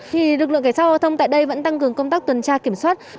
thì lực lượng kẻ trao giao thông tại đây vẫn tăng cường công tác tuần tra kiểm soát